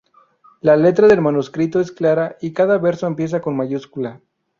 La letra del manuscrito es clara y cada verso empieza con mayúscula.